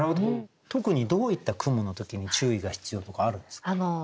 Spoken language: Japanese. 特にどういった雲の時に注意が必要とかあるんですか？